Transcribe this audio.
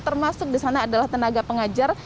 termasuk di sana adalah tenaga pengajar